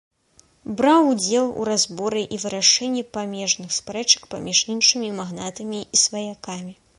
Браў удзел у разборы і вырашэнні памежных спрэчак паміж іншымі магнатамі і сваякамі.